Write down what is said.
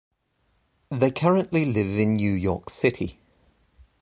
They currently live in New York City.